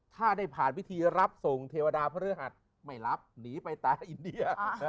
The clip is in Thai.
ถ้าได้ผ่านวิธีรับส่งเทวดาพระฤหัสไม่รับหนีไปแต่อินเดีย